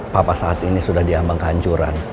papa saat ini sudah diambang kehancuran